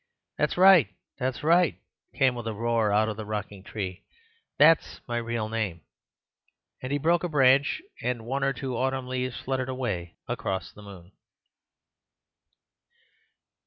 "That's right! that's right!" came with a roar out of the rocking tree; "that's my real name." And he broke a branch, and one or two autumn leaves fluttered away across the moon.